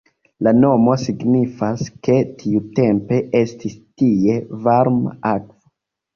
La nomo signifas, ke tiutempe estis tie varma akvo.